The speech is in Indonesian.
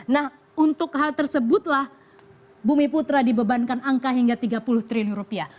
nah untuk hal tersebutlah bumi putra dibebankan angka hingga tiga puluh triliun rupiah